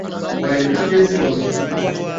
Waelekezi wamefika